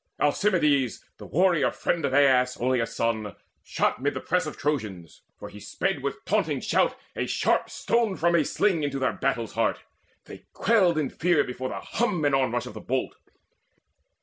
Alcimedes, The warrior friend of Aias, Oileus' son, Shot mid the press of Trojans; for he sped With taunting shout a sharp stone from a sling Into their battle's heart. They quailed in fear Before the hum and onrush of the bolt.